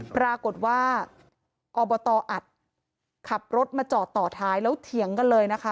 ปรากฏว่าอบตอัดขับรถมาจอดต่อท้ายแล้วเถียงกันเลยนะคะ